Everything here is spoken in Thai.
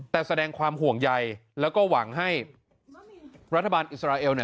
แต่แสดงความห่วงใยแล้วก็หวังให้รัฐบาลอิสราเอล